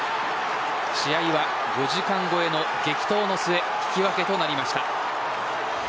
試合は５時間超えの激闘の末引き分けとなりました。